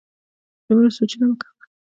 دومره سوچونه مه کوه